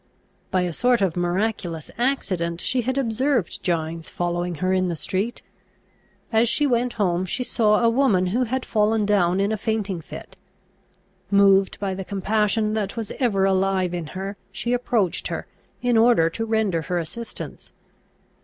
By a sort of miraculous accident she had observed Gines following her in the street. As she went home she saw a woman who had fallen down in a fainting fit. Moved by the compassion that was ever alive in her, she approached her, in order to render her assistance.